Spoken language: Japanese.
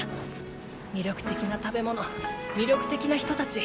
魅力的な食べ物魅力的な人達。